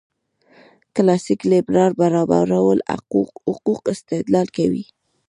کلاسیک لېبرال برابرو حقوقو استدلال کوي.